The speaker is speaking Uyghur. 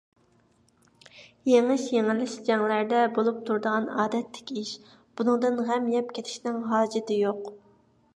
يېڭىش - يېڭىلىش جەڭلەردە بولۇپ تۇرىدىغان ئادەتتىكى ئىش، بۇنىڭدىن غەم يەپ كېتىشنىڭ ھاجىتى يوق.